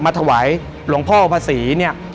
มาถวายหลงพ่อโอภาษี